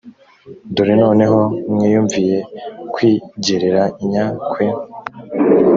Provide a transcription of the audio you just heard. dore noneho mwiyumviye kwigereranya kwe